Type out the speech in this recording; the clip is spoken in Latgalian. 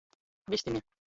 Vistini.